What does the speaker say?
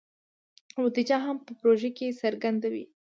بودیجه هم په پروژه کې څرګنده وي.